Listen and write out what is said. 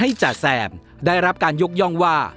จ๋าแซมได้รับการยกย่องว่า